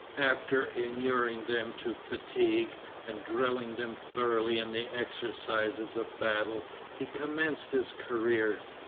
After inuring them to fatigue, and drilling them thoroughly in the exercises of battle, he commenced his career.